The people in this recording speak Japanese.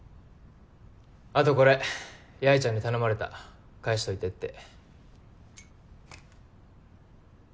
後これ八重ちゃんに頼まれた返しといてって。